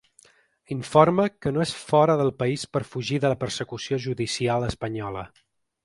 Informa que no és fora del país per fugir de la persecució judicial espanyola.